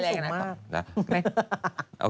ไม่ได้สูงมาก